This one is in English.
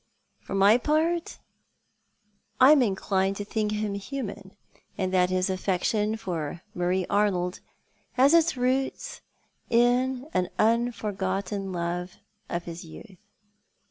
"For my part I am inclined to think him human, and that his affection for Marie Arnold has its root in an unforgotten love of his youth.